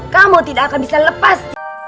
kamu tidak akan bisa lepas